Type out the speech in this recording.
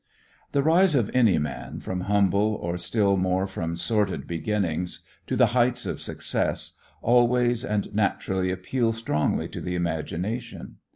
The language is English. The rise of any man from humble or still more from sordid beginnings to the heights of success always and naturally appeals strongly to the imagination.